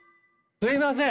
すみません。